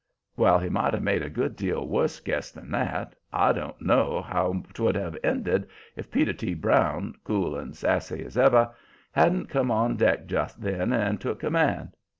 Well, he might have made a good deal worse guess than that. I don't know how 'twould have ended if Peter T. Brown, cool and sassy as ever, hadn't come on deck just then and took command.